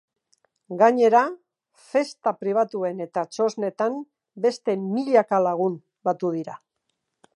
Gainera, festa pribatuetan eta txosnetan beste milaka lagun batu dira.